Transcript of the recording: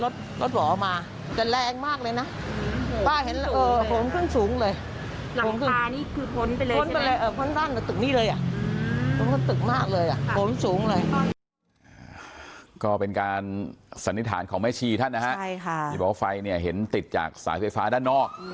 อย่าบอกว่าไฟเนี่ยเห็นติดจากสายไฟฟ้าด้านนอก